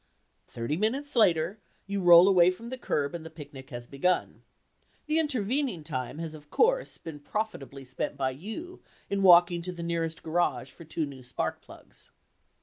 Thirty minutes later you roll away from the curb and the picnic has begun. The intervening time has, of course, been profitably spent by you in walking to the nearest garage for two new sparkplugs.